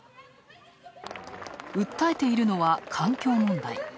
訴えているのは環境問題。